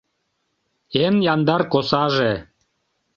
Эн яндар косаже.